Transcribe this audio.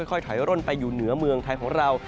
ค่อยถอยร่นไปอยู่เหนือเมืองไทยของเรา